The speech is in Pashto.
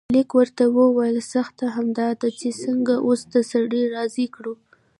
ملک ورته وویل سخته همدا ده چې څنګه اوس دا سړی راضي کړو.